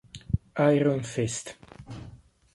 Iron Fist